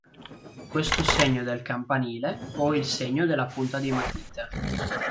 Questo segno del campanile o il segno della punta di matita.